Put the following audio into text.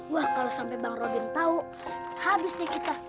wah kalau sampai bang robin tahu habis deh kita